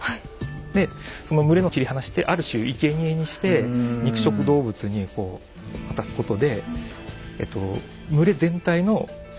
でその群れを切り離してある種いけにえにして肉食動物にこう渡すことでえっと群れ全体の存続を図ってるとか。